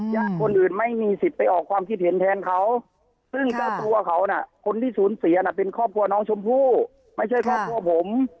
คนอื่นไม่มีสิทธิ์ไปออกความคิดเห็นแทนเขาซึ่งเจ้าตัวเขาน่ะคนที่สูญเสียน่ะเป็นครอบครัวน้องชมพู่ไม่ใช่ครอบครัวผม